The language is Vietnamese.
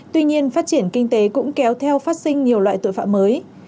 tuy nhiên phát triển kinh tế cũng kéo theo phát sinh nhiều loại tội phạm mới